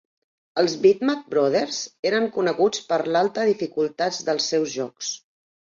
Els Bitmap Brothers eren coneguts per l'alta dificultat dels seus jocs.